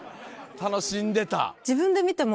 楽しんでた。